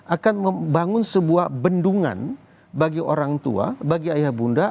akan membangun sebuah bendungan bagi orang tua bagi ayah bunda